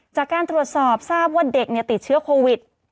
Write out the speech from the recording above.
จากการตรวจสอบทราบว่าเด็กติดเชื้อโควิด